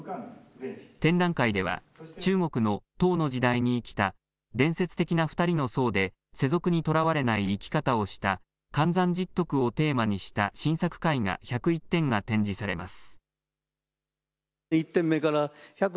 展覧会では中国の唐の時代に生きた伝説的な２人の僧で世俗にとらわれない生き方をした寒山拾得をテーマにした新作絵画１０１点が展示されます。